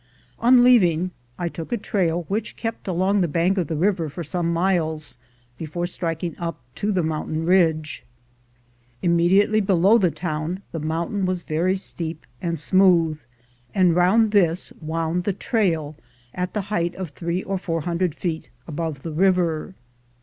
On leaving, I took a trail which kept along the bank of the river for some miles, before striking up to the mountain ridge. Immediately below the town the mountain was very steep and smooth, and round this wound the trail, at the height of three or four hundred feet above the river.